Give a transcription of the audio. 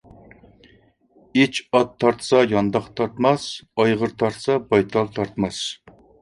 ئىچ ئات تارتسا يانداق تارتماس، ئايغىر تارتسا بايتال تارتماس.